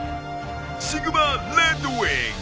シグマレッドウィング！